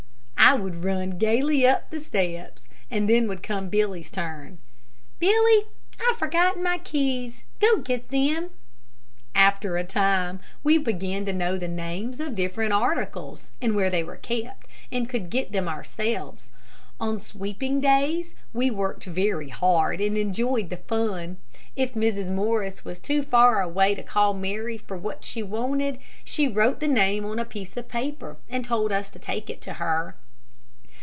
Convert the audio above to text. I would run gayly up the steps, and then would come Billy's turn. "Billy, I have forgotten my keys. Go get them." After a time we began to know the names of different articles, and where they were kept, and could get them ourselves. On sweeping days we worked very hard, and enjoyed the fun. If Mrs. Morris was too far away to call to Mary for what she wanted, she wrote the name on a piece of paper, and told us to take it to her.